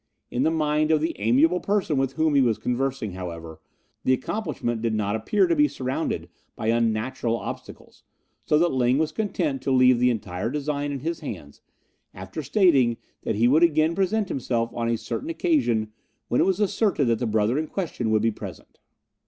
In the mind of the amiable person with whom he was conversing, however, the accomplishment did not appear to be surrounded by unnatural obstacles, so that Ling was content to leave the entire design in his hands, after stating that he would again present himself on a certain occasion when it was asserted that the brother in question would be present.